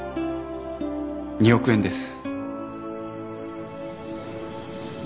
２億円です。